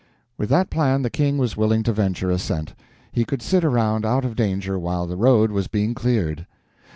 With that plan the King was willing to venture assent. He could sit around out of danger while the road was being cleared.